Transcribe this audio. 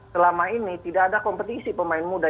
selama ini tidak ada kompetisi pemain muda